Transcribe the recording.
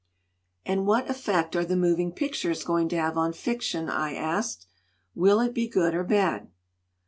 "And what effect are the moving pictures going to have on fiction?'* I asked. "Will it be good or bad?"